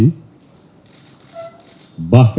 bahkan gugatan ada sebagiannya